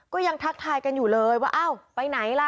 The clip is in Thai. ก็ยังทักทายกันอยู่เลยว่าอ้าวไปไหนล่ะ